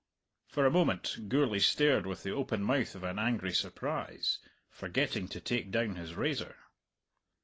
For a moment Gourlay stared with the open mouth of an angry surprise, forgetting to take down his razor.